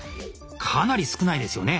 かなり少ないですよね？